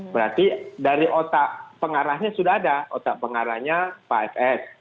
berarti dari otak pengarahnya sudah ada otak pengarahnya pak fs